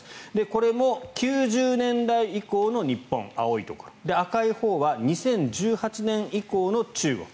これも９０年代以降の日本青いところ赤いほうは２０１８年以降の中国。